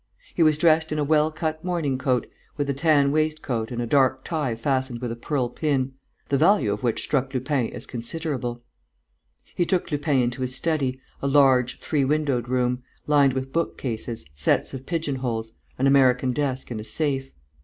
He was dressed in a well cut morning coat, with a tan waistcoat and a dark tie fastened with a pearl pin, the value of which struck Lupin as considerable. He took Lupin into his study, a large, three windowed room, lined with book cases, sets of pigeonholes, an American desk and a safe.